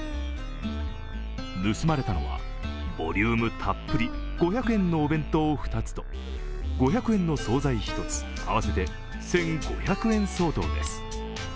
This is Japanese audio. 盗まれたのはボリュームたっぷり、５００円のお弁当２つと５００円の総菜１つ合わせて１５００円相当です。